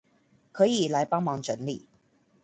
可以來幫忙整理